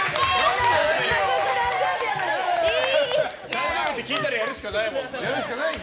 誕生日って聞いたらやるしかないもん。